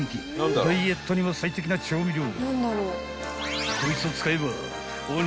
［ダイエットにも最適な調味料］